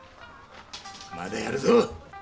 まだやるぞ。